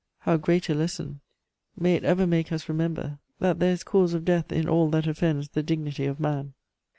How great a lesson! May it ever make us remember that there is cause of death in all that offends the dignity of man.